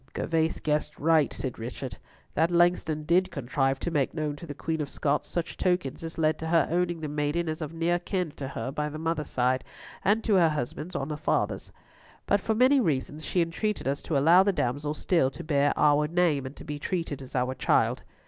'" "Gervas guessed right," said Richard. "That Langston did contrive to make known to the Queen of Scots such tokens as led to her owning the maiden as of near kin to her by the mother's side, and to her husband on the father's; but for many reasons she entreated us to allow the damsel still to bear our name, and be treated as our child."